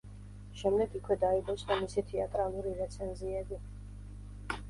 შემდეგ იქვე დაიბეჭდა მისი თეატრალური რეცენზიები.